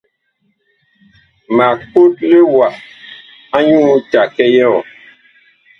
Mag kotle wa anyuú take yɔɔ.